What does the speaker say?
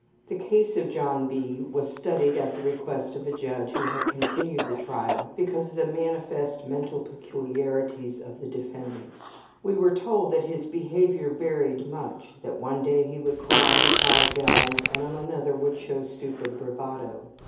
The case of John B. was studied at the request of a judge who had continued the trial because of the manifest mental peculiarities of the defendant. We were told that his behavior varied much, that one day he would cry and apologize, and on another would show stupid bravado.